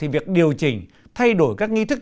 việc điều chỉnh thay đổi các nghi thức